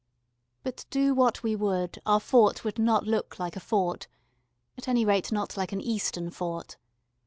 But do what we would our fort would not look like a fort at any rate not like an Eastern fort.